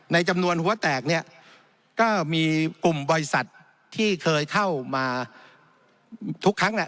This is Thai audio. ในจำนวนหัวแตกเนี่ยก็มีกลุ่มบริษัทที่เคยเข้ามาทุกครั้งแหละ